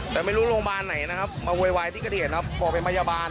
แต่ไม่รู้โรงพยาบาลไหนนะครับมาโวยวายที่เกิดเหตุครับบอกเป็นพยาบาล